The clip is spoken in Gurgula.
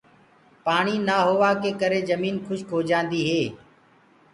پآڻي نآ هوآ ڪي ڪري جميٚن کُشڪ هوجآندي هي۔